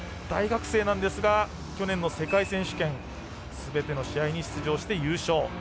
大学生なんですが去年の世界選手権すべての試合に出場して優勝。